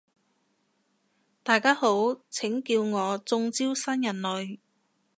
大家好，請叫我中招新人類